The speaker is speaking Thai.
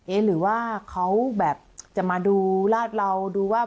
หรือว่าเขาแบบจะมาดูราดเราดูว่า